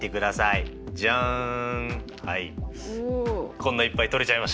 こんないっぱい取れちゃいました。